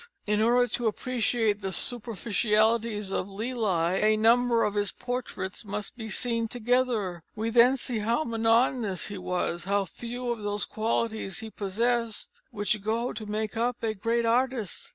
In order to appreciate the superficialities of Lely a number of his portraits must be seen together. We then see how monotonous he was, how few of those qualities he possessed which go to make up a great artist.